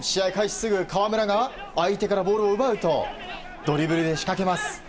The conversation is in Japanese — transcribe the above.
すぐ、川村が相手からボールを奪うとドリブルで運びます。